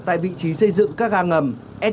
tại vị trí xây dựng các ga ngầm